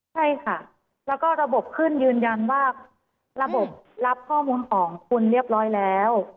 ใช่ค่ะแล้วก็ระบบขึ้นยืนยันว่าระบบรับข้อมูลของคุณเรียบร้อยแล้ว